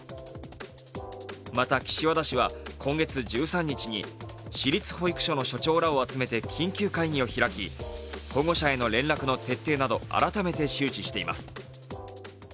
また、岸和田市は今月１３日に市立保育所の所長らを集めて緊急会議を開き、保護者への連絡の徹底など改めて周知しています。